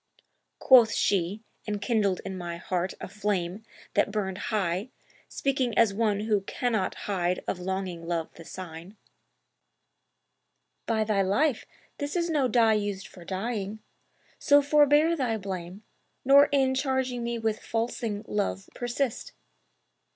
Quoth she (enkindling in my heart a flame that burned high Speaking as one who cannot hide of longing love the sign), 'By thy life, this is no dye used for dyeing; so forbear Thy blame, nor in charging me with falsing Love persist!